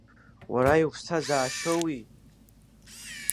Уара иуԥсҭазаашьоуи?